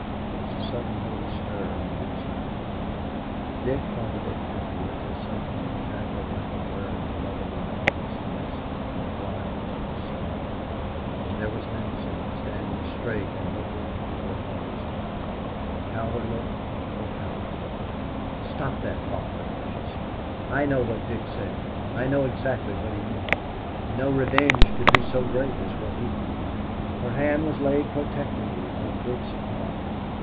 There was a sudden little stir on one side of the room. Dick thought of it afterwards as something exactly like a bird fluttering out of its nest, and flying to his side. And there was Nancy, standing straight and looking into her father's eye Cowder look for Cowder look. "Stop that, Father," she said. "I know what Dick said. I know exactly what he meant. No revenge could be so great as what he planned." Her hand was laid protectingly on Dick's arm.